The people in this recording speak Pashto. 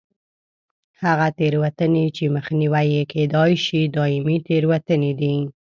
هغه تېروتنې چې مخنیوی یې کېدای شي دایمي تېروتنې دي.